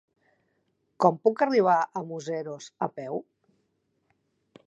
Com puc arribar a Museros a peu?